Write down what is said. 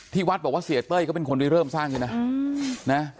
ที่วัดบอกว่าเสียเต้ยก็เป็นคนเริ่มสร้างดีนะ